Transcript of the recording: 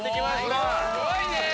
すごいね。